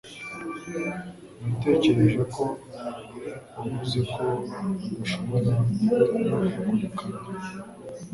Natekereje ko wavuze ko udashobora kugura ikamyo.